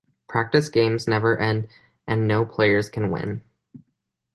Practice games never end and no players can win.